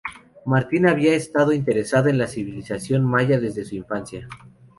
Martin había estado interesado en la civilización maya desde su infancia.